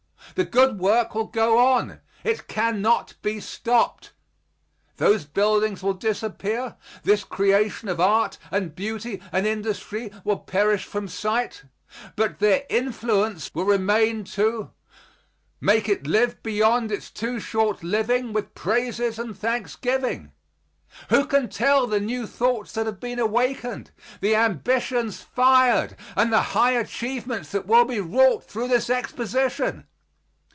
The good work will go on. It can not be stopped. Those buildings will disappear; this creation of art and beauty and industry will perish from sight, but their influence will remain to "make it live beyond its too short living with praises and thanksgiving." Who can tell the new thoughts that have been awakened, the ambitions fired and the high achievements that will be wrought through this Exposition?